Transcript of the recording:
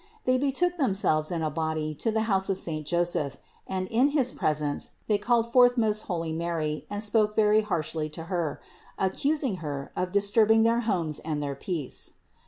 They betook themselves in a body to the house of saint Joseph and in his presence they called forth most holy Mary and spoke very harshly to Her, accusing Her of disturbing their homes and their peace.